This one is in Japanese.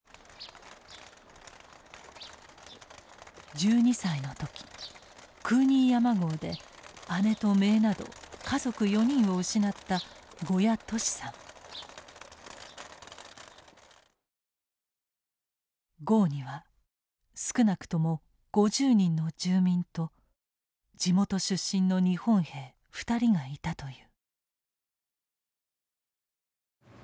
１２歳の時クーニー山壕で姉と姪など家族４人を失った壕には少なくとも５０人の住民と地元出身の日本兵２人がいたという。